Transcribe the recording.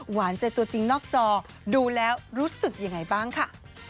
หวานใจตัวจริงนอกจอดูแล้วรู้สึกยังไงบ้างค่ะ